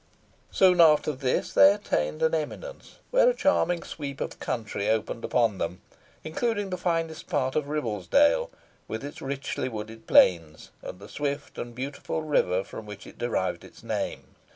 Soon after this they attained an eminence, where a charming sweep of country opened upon them, including the finest part of Ribblesdale, with its richly wooded plains, and the swift and beautiful river from which it derived its name.